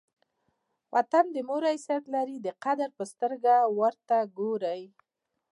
وطن د مور حیثیت لري؛ د قدر په سترګه ور ته ګورئ!